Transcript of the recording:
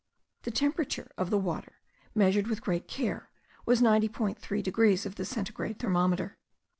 The temperature of the water, measured with great care, was 90.3 degrees of the centigrade thermometer.